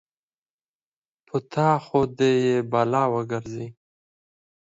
په تا خو دې يې بلا وګرځې.